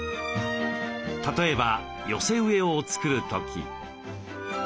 例えば寄せ植えを作る時。